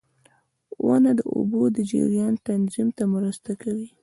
• ونه د اوبو د جریان تنظیم ته مرسته کوي.